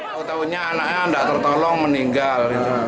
tahu tahunya anaknya tidak tertolong meninggal